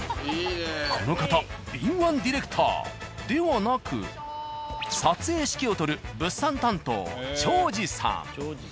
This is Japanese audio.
この方敏腕ディレクターではなく撮影指揮を執る物産担当長治さん。